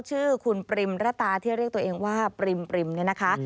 ชื่อคุณปริมระตาที่เรียกตัวเองว่าปริมเนี่ยนะคะ